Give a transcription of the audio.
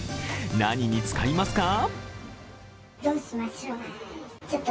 何に使いますか？